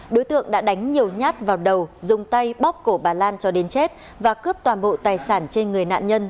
đối tượng đã đánh nhiều nhát vào đầu dùng tay bóc cổ bà lan cho đến chết và cướp toàn bộ tài sản trên người nạn nhân